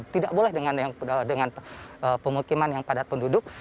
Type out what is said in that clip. tidak boleh dengan pemukiman yang padat penduduk